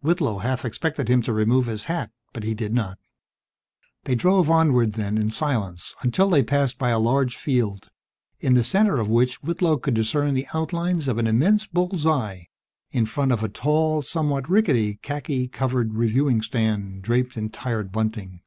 Whitlow half expected him to remove his hat, but he did not. They drove onward, then, in silence, until they passed by a large field, in the center of which Whitlow could discern the outlines of an immense bull's eye, in front of a tall, somewhat rickety khaki colored reviewing stand, draped in tired bunting.